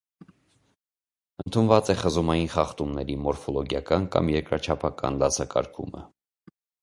Ընդունված է խզումային խախտումների մորֆոլոգիական կամ երկրաչափական դասակարգումը։